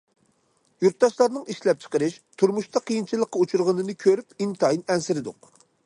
يۇرتداشلارنىڭ ئىشلەپچىقىرىش، تۇرمۇشتا قىيىنچىلىققا ئۇچرىغىنىنى كۆرۈپ ئىنتايىن ئەنسىرىدۇق.